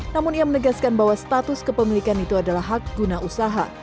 namun ia menegaskan bahwa status kepemilikan itu adalah hak guna usaha